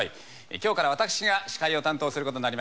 今日から私が司会を担当することになりました